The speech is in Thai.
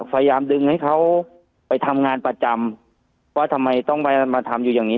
พยายามดึงให้เขาไปทำงานประจำว่าทำไมต้องไปมาทำอยู่อย่างนี้